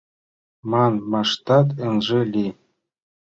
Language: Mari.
— Манмаштат ынже лий!